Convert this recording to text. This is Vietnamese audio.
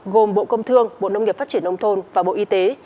gồm bộ công thương bộ nông nghiệp phát triển nông thôn và bộ y tế